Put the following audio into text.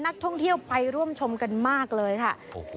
นักท่องเที่ยวไปร่วมชมกันมากเลยค่ะ